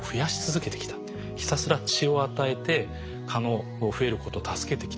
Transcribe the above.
ひたすら血を与えて蚊の増えることを助けてきたと。